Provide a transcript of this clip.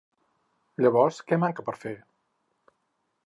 Llavors, què manca per fer?